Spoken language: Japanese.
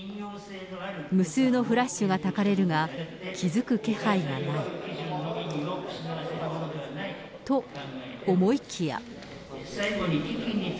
無数のフラッシュがたかれるが、気付く気配がない。と思いきや。